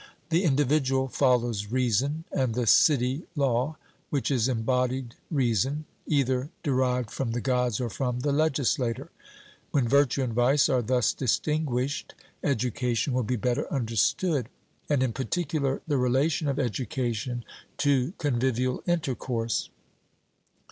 The individual follows reason, and the city law, which is embodied reason, either derived from the Gods or from the legislator. When virtue and vice are thus distinguished, education will be better understood, and in particular the relation of education to convivial intercourse.